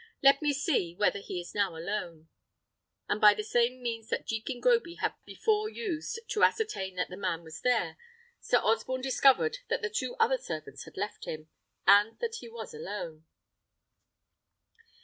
Let me see whether he is now alone." And by the same means that Jekin Groby had before used to ascertain that the man was there, Sir Osborne discovered that the two other servants had left him, and that he was alone.